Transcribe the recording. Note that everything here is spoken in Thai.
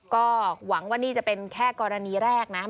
ก็หวังว่านี่จะเป็นแค่กรณีแรกนะ